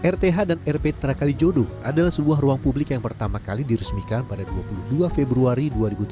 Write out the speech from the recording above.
rth dan rptra kalijodo adalah sebuah ruang publik yang pertama kali diresmikan pada dua puluh dua februari dua ribu tujuh belas